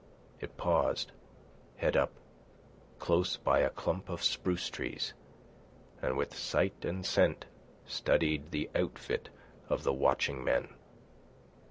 It paused, head up, close by a clump of spruce trees, and with sight and scent studied the outfit of the watching men.